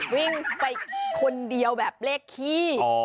วิ่งไปคนเดียวแบบเลขขี้